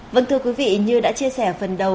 vâng thưa quý vị như đã chia sẻ phần đầu